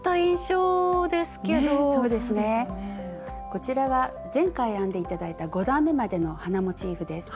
こちらは前回編んで頂いた５段めまでの花モチーフです。